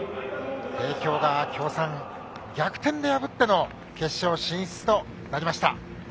帝京が京産を逆転で破っての決勝進出となりました。